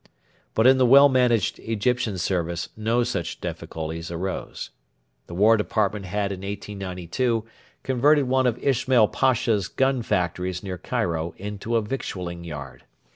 But in the well managed Egyptian Service no such difficulties arose. The War Department had in 1892 converted one of Ismail Pasha's gun factories near Cairo into a victualling yard.